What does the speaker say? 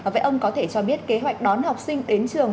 vậy ông có thể cho biết kế hoạch đón học sinh đến trường